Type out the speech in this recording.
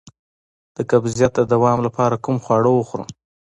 د قبضیت د دوام لپاره کوم خواړه وخورم؟